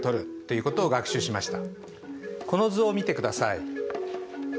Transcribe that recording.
この図を見てください。